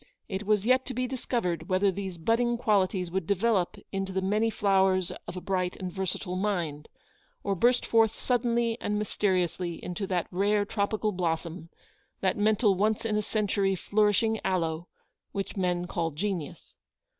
It was yet to be discovered whether these budding qualities would develope into the many flowers of a bright and versatile mind, or burst forth suddenly and mysteriously into that rare tropical blossom, that mental once in a century flourishing aloe, which men call Genius.